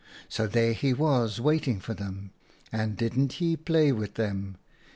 So there he was waiting for them, and didn't he play with them